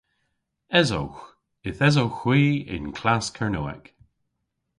Esowgh. Yth esowgh hwi y'n klass Kernewek.